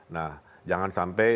nah jangan sampai